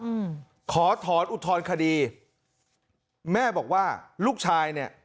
อืมขอถอนอุทธรณคดีแม่บอกว่าลูกชายเนี้ย